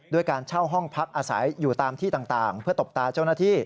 การเช่าห้องพักอาศัยอยู่ตามที่ต่างเพื่อตบตาเจ้าหน้าที่